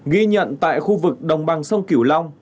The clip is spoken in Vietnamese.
ghi nhận tại khu vực đồng bằng sông kiểu long